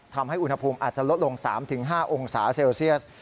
ทำให้อุณหภูมิอาจจะลดลง๓๕องศาเซลเซียส